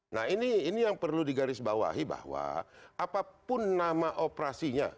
nah ini yang perlu digarisbawahi bahwa apapun nama operasinya